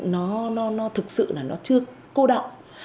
nó thực sự là nó chưa cô đọng